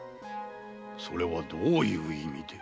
それはどういう意味で？